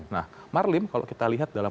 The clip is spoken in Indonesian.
nah marlim kalau kita lihat dalam